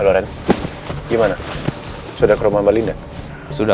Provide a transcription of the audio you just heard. jadi aku bakal ke rumah bu linda